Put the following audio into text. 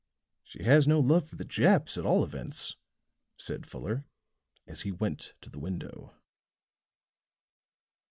"She has no love for the Japs, at all events," said Fuller, as he went to the window.